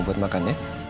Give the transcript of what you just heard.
buat makan ya